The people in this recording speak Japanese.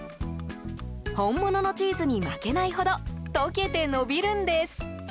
本物のチーズに負けないほど溶けて伸びるんです。